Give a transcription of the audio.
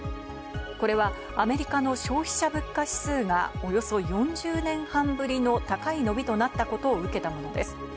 これはアメリカの消費者物価指数がおよそ４０年半ぶりの高い伸びとなったことを受けたものです。